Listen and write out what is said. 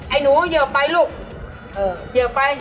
ไอนูเหยื่อไปลูกเหยื่อไป